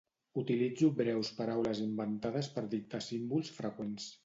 Utilitzo breus paraules inventades per dictar símbols freqüents.